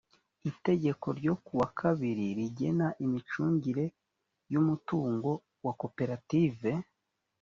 itegeko ryo ku wa kabiri rigena imicungire y’umutungo wa koperative